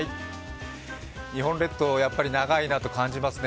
日本列島、やっぱり長いなと感じますね。